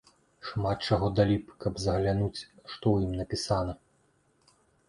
Шмат чаго далі б, каб заглянуць, што ў ім напісана.